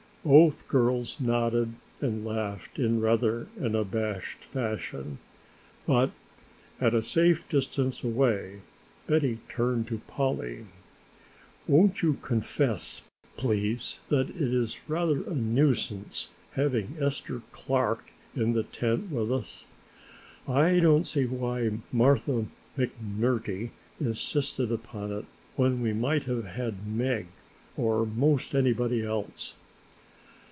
Both girls nodded and laughed in rather an abashed fashion. But at a safe distance away Betty turned to Polly. "Won't you confess, please, that it is rather a nuisance having Esther Clark in the tent with us? I don't see why Martha McMurtry insisted upon it when we might have had Meg or most anybody else."